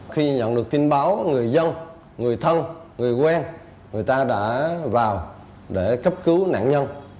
khi nhận được tin báo người dân người thân người quen người ta đã vào để cấp cứu nạn nhân